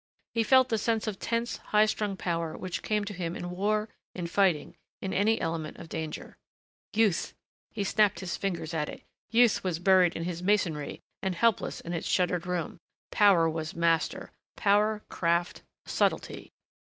He felt the sense of tense, highstrung power which came to him in war, in fighting, in any element of danger. Youth! He snapped his fingers at it. Youth was buried in his masonry and helpless in its shuttered room. Power was master power, craft, subtlety.